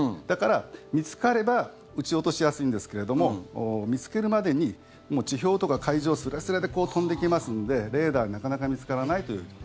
だから見つかれば撃ち落としやすいんですけれども見つけるまでに、地表とか海上すれすれで飛んできますんでレーダーになかなか見つからないっていう。